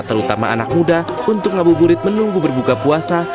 terutama anak muda untuk ngabuburit menunggu berbuka puasa